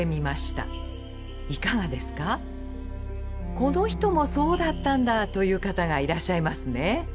この人もそうだったんだという方がいらっしゃいますね。